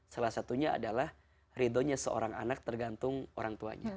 salah satunya adalah ridhonya seorang anak tergantung orang tuanya